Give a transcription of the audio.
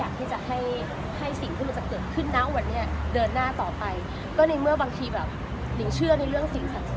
เมื่อวานก็ยังไปกายภาพหนึ่ง